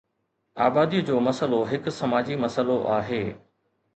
آبادي جو مسئلو هڪ سماجي مسئلو آهي